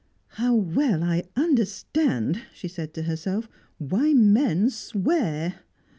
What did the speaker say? "How well I understand," she said to herself, "why men swear!"